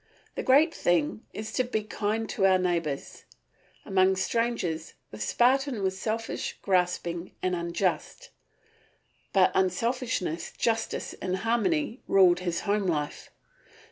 The great thing is to be kind to our neighbours. Among strangers the Spartan was selfish, grasping, and unjust, but unselfishness, justice, and harmony ruled his home life.